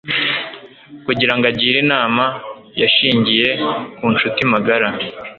Kugira ngo agire inama, yashingiye ku nshuti magara.